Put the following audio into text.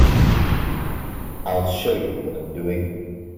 I'll show you what I'm doing.